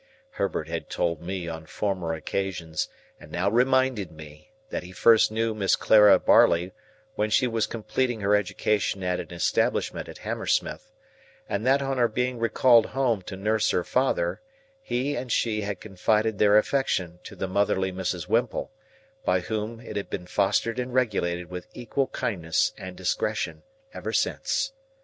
Herbert had told me on former occasions, and now reminded me, that he first knew Miss Clara Barley when she was completing her education at an establishment at Hammersmith, and that on her being recalled home to nurse her father, he and she had confided their affection to the motherly Mrs. Whimple, by whom it had been fostered and regulated with equal kindness and discretion, ever since.